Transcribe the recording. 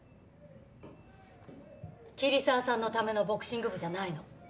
桐沢さんのためのボクシング部じゃないの。